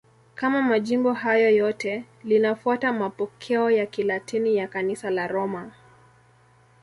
Kama majimbo hayo yote, linafuata mapokeo ya Kilatini ya Kanisa la Roma.